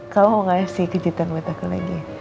kamu gak usah kejutan mata aku lagi